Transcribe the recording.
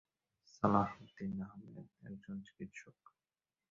সালাহ উদ্দিন আহমেদ একজন চিকিৎসক।